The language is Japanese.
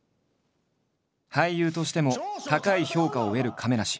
俳優としても高い評価を得る亀梨。